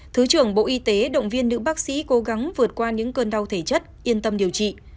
thứ trưởng bộ y tế động viên nữ bác sĩ cố gắng vượt qua những cơn đau thể chất yên tâm điều trị